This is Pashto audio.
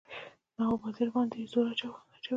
نواب وزیر باندي زور واچوي.